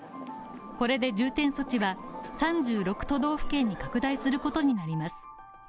これで重点措置は３６都道府県に拡大することになります。